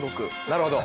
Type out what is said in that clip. なるほど。